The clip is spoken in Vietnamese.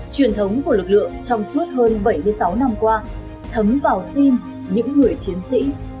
truyền thống của lực lượng trong suốt hơn bảy mươi sáu năm qua thấm vào tim những người chiến sĩ